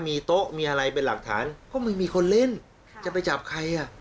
มีโต๊ะมีอะไรเป็นหลักฐานก็ไม่มีคนเล่นจะไปจับใครอ่ะ